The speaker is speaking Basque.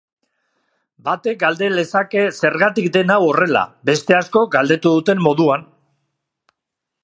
Batek galde lezake zergatik den hau horrela, beste askok galdetu duten moduan.